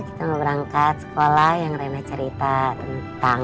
kita mau berangkat sekolah yang remeh cerita tentang